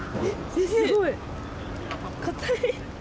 すごい！硬い。